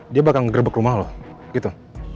dia bakal nge grebek rumah lo gitu